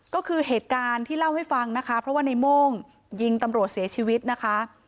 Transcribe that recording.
ก็คือเหตุการณ์ที่เล่าให้ฟังนะคะเพราะว่าในโม่งยิงตำรวจเสียชีวิตนะคะ